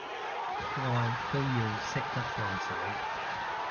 愛都要識得放手